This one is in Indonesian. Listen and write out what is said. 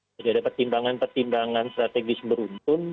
jadi ada pertimbangan pertimbangan strategis beruntung